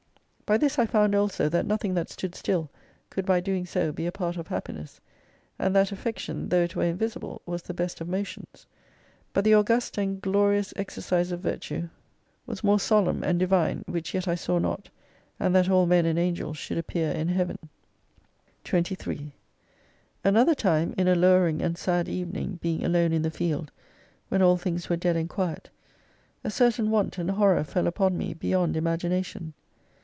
By this I found also that nothing that stood still, could by doing so be a part of Happiness : and that affection, though it were invisible, was the best of motions. But the august and glorious exercise of virtue, was more 174 solemn and divine, which yet I saw not. And that all Men and Angels should appear in Heaven. 23 Another time in a lowering and sad evening, being alone in the field, when all things were dead and quiet, a certain want and horror fell upon me, beyond imagina tion.